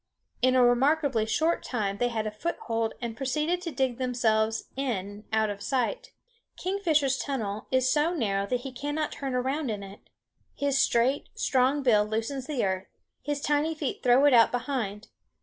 In a remarkably short time they had a foothold and proceeded to dig themselves in out of sight. Kingfisher's tunnel is so narrow that he cannot turn around in it. His straight, strong bill loosens the earth; his tiny feet throw it out behind.